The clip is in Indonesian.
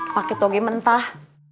pakai toge mentah